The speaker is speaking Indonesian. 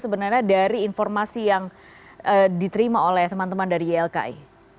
sebenarnya dari informasi yang diterima oleh teman teman dari ylki